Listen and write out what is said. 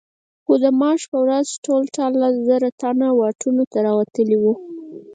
خو د مارش په ورځ ټول ټال لس زره تنه واټونو ته راوتلي وو.